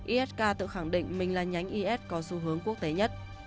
isk tự khẳng định mình là nhánh is có xu hướng quốc tế nhất